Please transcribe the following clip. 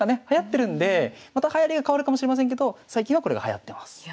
はやってるんでまたはやりが変わるかもしれませんけど最近はこれがはやってます。